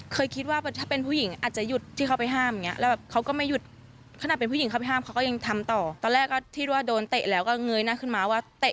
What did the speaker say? เคยคิดว่าถ้าเป็นผู้หญิงอาจจะหยุดที่เข้าไปห้ามแล้วเขาก็ไม่หยุดขนาดเป็นผู้หญิงเข้าไปห้ามเขาก็ยังทำต่อ